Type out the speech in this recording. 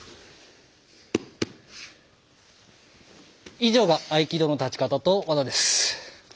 以上が合気道の立ち方と技です。